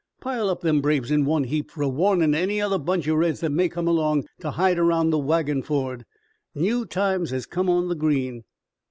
Pile up them braves in one heap fer a warnin' to any other bunch o' reds that may come along to hide around the wagon ford. New times has come on the Green."